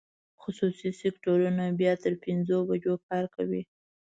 خصوصي سکټور بیا تر پنځو بجو کار کوي.